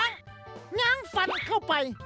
ง้างฟันเข้าไป